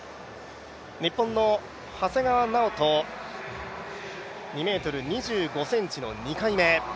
日本の長谷川直人、２ｍ２５ｃｍの２回目。